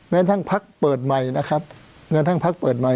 ทั้งพักเปิดใหม่นะครับแม้ทั้งพักเปิดใหม่